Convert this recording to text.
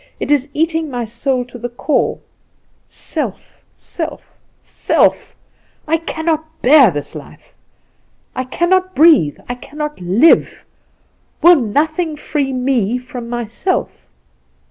It is eating my soul to its core self, self, self! I cannot bear this life! I cannot breathe, I cannot live! Will nothing free me from myself?"